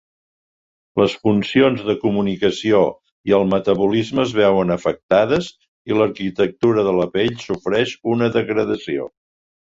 Les funcions de comunicació i el metabolisme es veuen afectades i l'arquitectura de la pell sofreix una degradació.